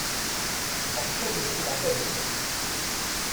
Beṛka-yi seg leɛtab-ik!